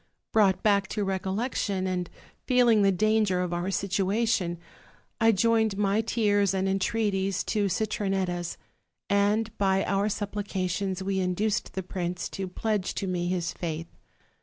Brought back to recollection, and feeling the danger of our situation, I joined my tears and entreaties to Citronetta's; and by our supplica tions we induced the prince to pledge to me his faith.